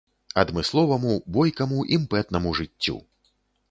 Адмысловаму, бойкаму, імпэтнаму жыццю.